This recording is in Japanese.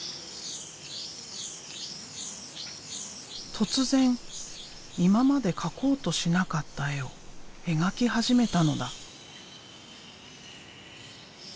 突然今まで描こうとしなかった絵を描き始めたのだ。